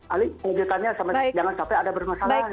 ali kemungkinannya jangan sampai ada permasalahan